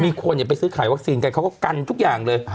มีคนไปซื้อขายวัคซีนกันเขาก็กันทุกอย่างเลย